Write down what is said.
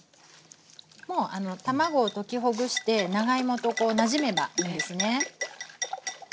もう卵を溶きほぐして長芋となじめばいいんですね。